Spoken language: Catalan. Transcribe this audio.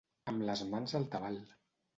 Amb les mans al tabal.